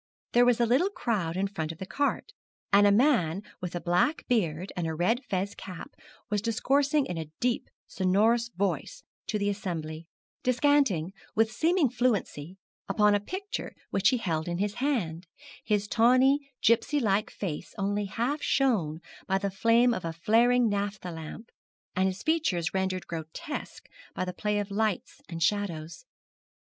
There was a little crowd in front of the cart, and a man with a black beard and a red fez cap was discoursing in a deep, sonorous voice to the assembly descanting, with seeming fluency, upon a picture which he held in his hand, his tawny, gipsy like face only half shown by the flame of a flaring naphtha lamp, and his features rendered grotesque by the play of lights and shadows.